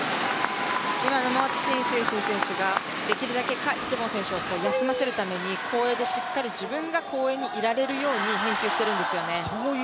今の陳清晨選手が賈一凡選手を休ませるように後衛でしっかり自分が後衛にいられるように返球しているんですね。